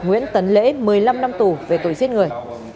nguyễn tấn lễ một mươi năm năm tù về tội giết người